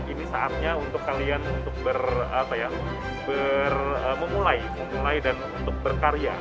ini saatnya untuk kalian untuk memulai memulai dan untuk berkarya